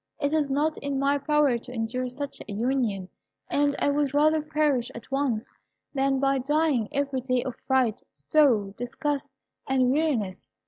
It is not in my power to endure such a union, and I would rather perish at once than be dying every day of fright, sorrow, disgust, and weariness.